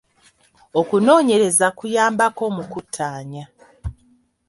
Okunoonyeraza kuyambako mu kuttaanya.